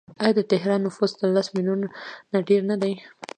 آیا د تهران نفوس تر لس میلیونه ډیر نه دی؟